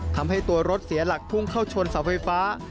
ทำให้ตัวรถเสียหลักพุ่งเข้าชนเสาไฟฟ้า